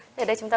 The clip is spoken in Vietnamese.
ở đây chúng ta có